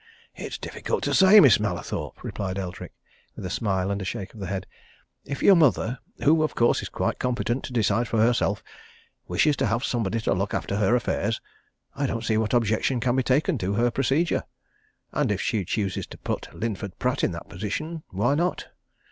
"It's difficult to say, Miss Mallathorpe," replied Eldrick, with a smile and a shake of the head. "If your mother who, of course, is quite competent to decide for herself wishes to have somebody to look after her affairs, I don't see what objection can be taken to her procedure. And if she chooses to put Linford Pratt in that position why not?